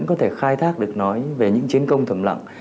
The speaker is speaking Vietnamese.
có thể khai thác được nói về những chiến công thầm lặng